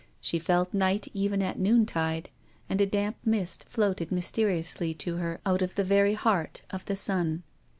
She felt night even at noontide, and a damp mist floated mysteriously to her out of the very heart of the sun.